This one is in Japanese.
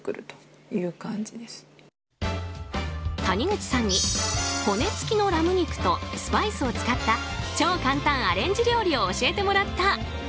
谷口さんに、骨付きのラム肉とスパイスを使った超簡単アレンジ料理を教えてもらった。